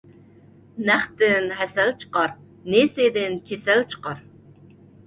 نەقتىن ھەسەل چىقار، نېسىدىن كېسەل چىقار.